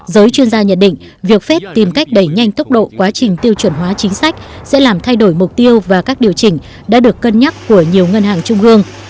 giới chuyên gia nhận định việc phép tìm cách đẩy nhanh tốc độ quá trình tiêu chuẩn hóa chính sách sẽ làm thay đổi mục tiêu và các điều chỉnh đã được cân nhắc của nhiều ngân hàng trung ương